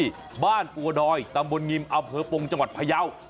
ที่บ้านปัวดอยตำบลงิมอำเภอปงจังหวัดพยาว